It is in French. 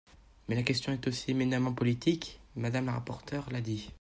Mais la question est aussi éminemment politique, Madame la rapporteure l’a dit.